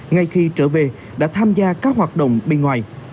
ngay khi trở về đã tham gia các hoạt động bên ngoài